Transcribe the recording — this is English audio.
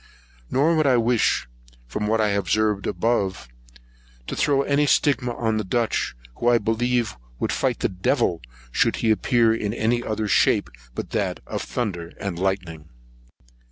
Nor would I wish, from what I have observed above, to throw any stigma on the Dutch, who I believe would fight the devil, should he appear in any other shape to them but that of thunder and lightning.